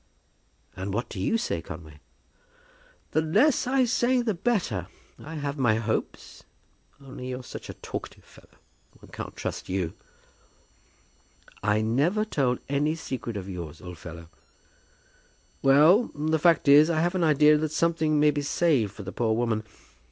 "And what do you say, Conway?" "The less I say the better. I have my hopes, only you're such a talkative fellow, one can't trust you." "I never told any secret of yours, old fellow." "Well; the fact is, I have an idea that something may be saved for the poor woman.